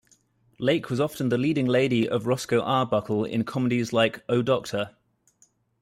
Lake was often the leading lady of Roscoe Arbuckle in comedies like Oh Doctor!